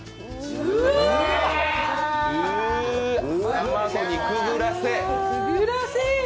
卵にくぐらせーの